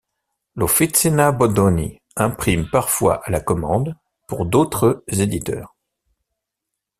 L'Officina Bodoni imprime parfois à la commande pour d’autres éditeurs.